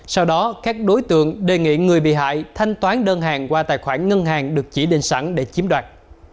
sau đó các đối tượng đề nghị người bị hại thanh toán đơn hàng qua tài khoản ngân hàng được chỉ định sẵn để chiếm đoạt